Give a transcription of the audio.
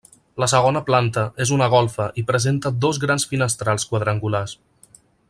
La segona planta és una golfa i presenta dos grans finestrals quadrangulars.